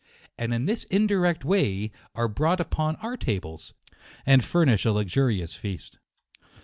And in this indirect way, are brought upon our tables, and furnish a luxurious feast.